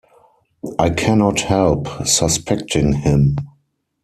I cannot help suspecting him.